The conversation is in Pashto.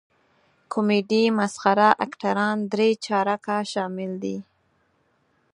کمیډي مسخره اکټران درې چارکه شامل دي.